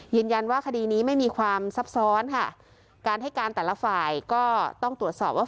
ยืนยันว่าคดีนี้ไม่มีความซับซ้อนค่ะการให้การแต่ละฝ่ายก็ต้องตรวจสอบว่า